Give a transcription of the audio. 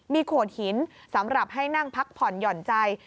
มีโขดหินสำหรับให้นั่งพักผ่อนหย่อนใจ